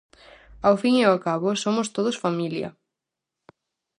Ao fin e ao cabo, somos todos familia.